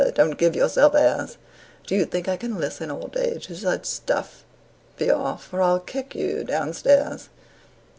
"Don't give yourself airs! Do you think I can listen all day to such stuff? Be off, or I'll kick you down stairs.